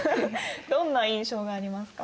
どんな印象がありますか？